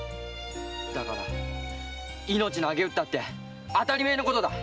だから命なげうったってあたりめえのことだ！